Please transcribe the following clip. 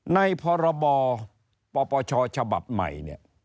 ในพรบปชฉบับใหม่